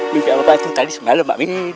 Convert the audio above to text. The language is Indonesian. mimpi apaan tadi semalam mamin